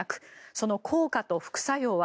その効果と副作用は。